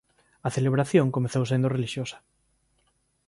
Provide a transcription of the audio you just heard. A celebración comezou sendo relixiosa.